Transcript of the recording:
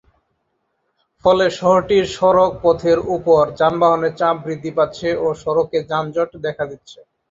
ফলে শহরটির সড়ক পথের উপর যানবাহনের চাপ বৃদ্ধি পাচ্ছে ও সড়কে যানজট দেখা দিচ্ছে।